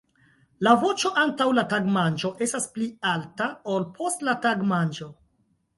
La voĉo antaŭ la tagmanĝo estas pli alta, ol post la tagmanĝo.